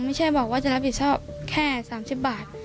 ไม่ใช่บอกว่าจะรับผิดชอบแค่๓๐บาท